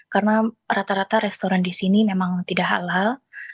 karena rata rata restoran di sini memang tidak halal